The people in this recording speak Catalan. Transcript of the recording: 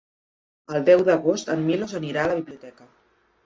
El deu d'agost en Milos anirà a la biblioteca.